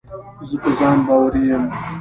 زه په ځان باوري یم.